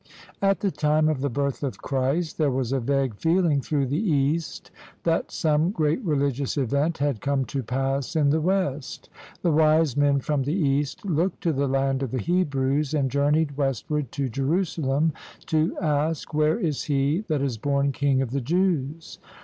At the time of the birth of Christ, there was a vague feeling through the East that some great religious event had come to pass in the West. The "wise men from the East" looked to the land of the Hebrews, and journeyed west ward to Jerusalem to ask, " Where is he that is born King of the Jews?"